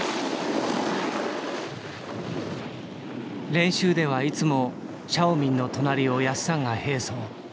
練習ではいつもシャオミンの隣をやっさんが並走。